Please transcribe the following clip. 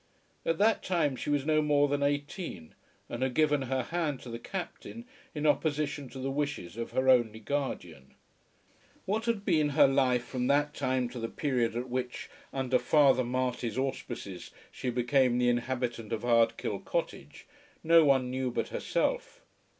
At that time she was no more than eighteen, and had given her hand to the Captain in opposition to the wishes of her only guardian. What had been her life from that time to the period at which, under Father Marty's auspices, she became the inhabitant of Ardkill Cottage, no one knew but herself.